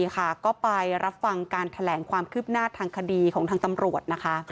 ก็ไปรับฟังการแถลงความคืบหน้าทางคดีของทางตำรวจนะคะ